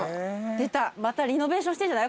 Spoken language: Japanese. またリノベーションしてんじゃない？